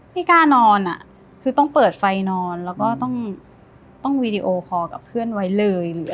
พี่กล้านอนคือต้องเปิดไฟนอนแล้วก็ต้องวีดีโอคอร์กับเพื่อนไว้เลย